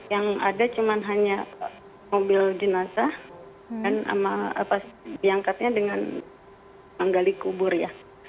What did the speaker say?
yang ada cuma hanya mobil jenazah dan diangkatnya dengan menggali kubur ya